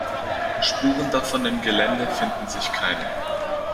Spuren davon im Gelände finden sich keine.